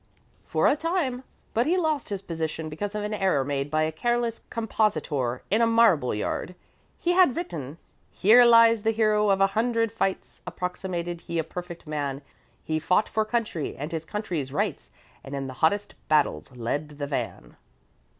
"For a time; but he lost his position because of an error made by a careless compositor in a marble yard. He had written, "'Here lies the hero of a hundred fights Approximated he a perfect man; He fought for country and his country's rights, And in the hottest battles led the van.'"